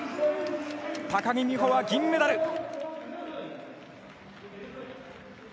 高木美帆は銀メダル。